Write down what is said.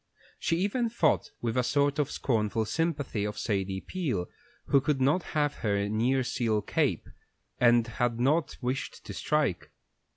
She even thought with a sort of scornful sympathy of Sadie Peel, who could not have her nearseal cape, and had not wished to strike.